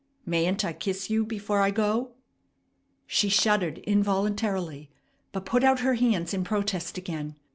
"Mayn't I kiss you before I go?" She shuddered involuntarily, but put out her hands in protest again.